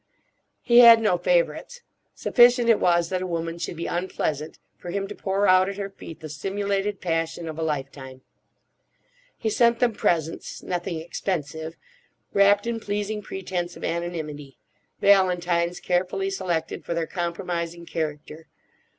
He had no favourites. Sufficient it was that a woman should be unpleasant, for him to pour out at her feet the simulated passion of a lifetime. He sent them presents—nothing expensive—wrapped in pleasing pretence of anonymity; valentines carefully selected for their compromising character.